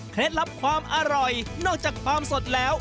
ลับความอร่อยนอกจากความสดแล้ว